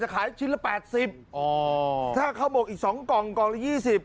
ขายชิ้นละแปดสิบอ๋อถ้าข้าวหมกอีกสองกล่องกล่องละยี่สิบ